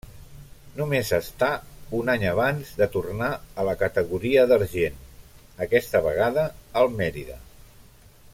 Només està un any abans de tornar a la categoria d'argent, aquesta vegada al Mérida.